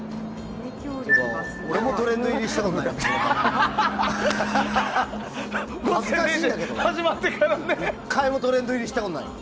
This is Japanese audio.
１回もトレンド入りしたことない。